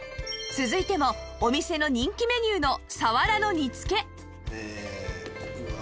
続いてもお店の人気メニューの鰆の煮付